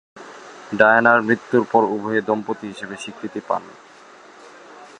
ডায়ানা’র মৃত্যুর পর উভয়ে দম্পতি হিসেবে স্বীকৃতি পান।